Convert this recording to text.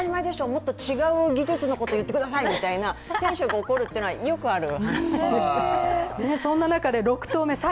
もっと違う技術のこと言ってくださいと選手が怒るっていうのはよくある。